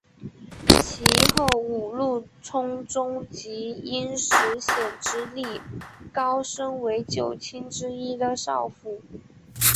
其后五鹿充宗即因石显之力高升为九卿之一的少府。